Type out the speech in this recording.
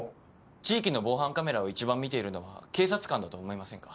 地域の防犯カメラを一番見ているのは警察官だと思いませんか？